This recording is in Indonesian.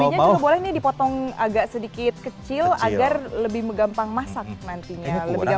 ubinya juga boleh nih dipotong agak sedikit kecil agar lebih gampang masak nantinya